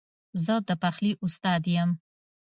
زه د پخلي استاد یم